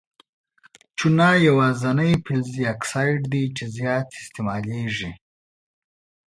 چونه یوازیني فلزي اکساید دی چې زیات استعمالیږي.